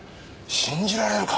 信じられるか？